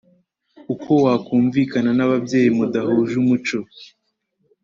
Uko wakumvikana n ababyeyi mudahuje umuco